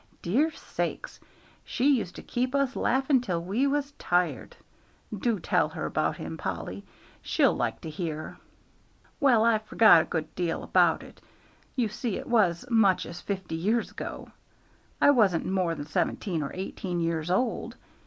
Dear sakes! she used to keep us laughing till we was tired. Do tell her about him, Polly; she'll like to hear." "Well, I've forgot a good deal about it: you see it was much as fifty years ago. I wasn't more than seventeen or eighteen years old.